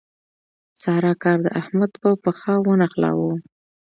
سارا کار د احمد په پښه ونښلاوو.